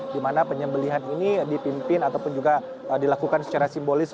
di mana penyembelihan ini dipimpin ataupun juga dilakukan secara simbolis